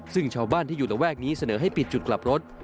ซึ่งชาวบ้านที่อยู่ระแวกนี้เสนอให้ปิดจุดกลับรถ